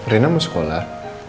rina mau sekolah